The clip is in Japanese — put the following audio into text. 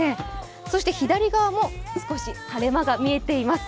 そして左側も少し晴れ間が見えています。